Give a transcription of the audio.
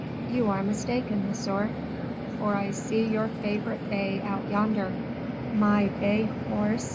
You are mistaken, Monsieur; for I see your favorite bay out yonder." "My bay horse!"